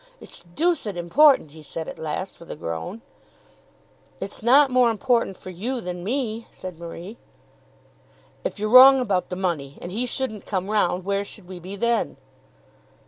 "It's deuced important," he said at last with a groan. "It's not more important for you than me," said Marie. "If you're wrong about the money, and he shouldn't come round, where should we be then?"